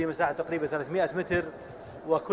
dengan kekuatan yang sangat menarik